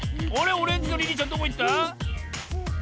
オレンジのリリーちゃんどこいった？